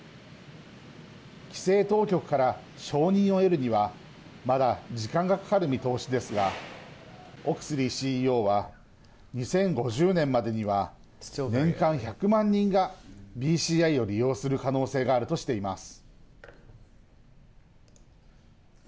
規制当局から承認を得るにはまだ時間がかかる見通しですがオクスリーＣＥＯは２０５０年までには年間１００万人がＢＣＩを利用する可能性があるとしています。